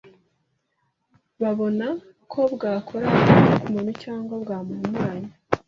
babona ko bwakora ku muntu cyangwa bwamuhumanya.